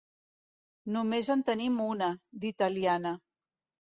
Només en tenim una, d'italiana.